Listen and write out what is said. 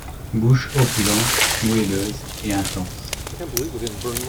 Bouche opulente, moelleuse et intense.